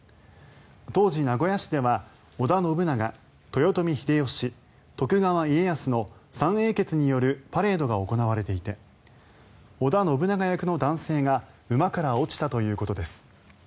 当時、名古屋市では織田信長、豊臣秀吉、徳川家康の三英傑によるパレードが行われていて織田信長役の男性が馬から落ちたということです。